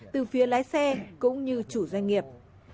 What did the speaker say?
từ phía lái xe cũng như chủ doanh nghiệp